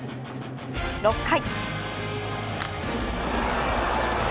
６回。